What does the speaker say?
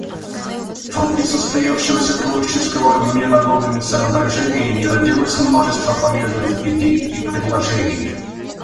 В ходе состоявшегося творческого обмена новыми соображениями родилось множество полезных идей и предложений.